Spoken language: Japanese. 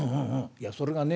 「いやそれがね